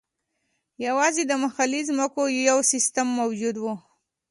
یوازې د محلي ځمکو یو سیستم موجود و.